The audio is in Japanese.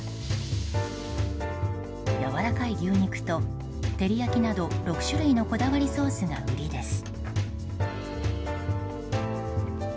やわらかい牛肉と照り焼きなど６種類のこだわりソースがウリです。